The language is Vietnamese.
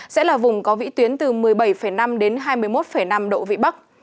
sẽ là vùng có vĩ tuyến từ một mươi bảy năm đến hai mươi một năm độ vị bắc